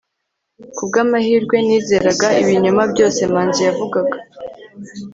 kubwamahirwe, nizeraga ibinyoma byose manzi yavugaga